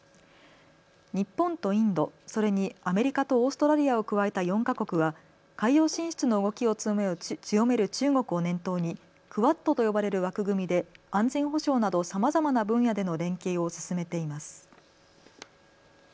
日本とインド、それにアメリカとオーストラリアを加えた４か国は海洋進出の動きを強める中国を念頭にクアッドと呼ばれる枠組みで安全保障などさまざまな分野での連携を進めています。